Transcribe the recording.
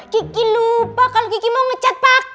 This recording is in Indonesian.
gigi lupa kalau gigi mau ngecat paket